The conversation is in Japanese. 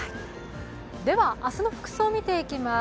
では明日の服装、見ていきます。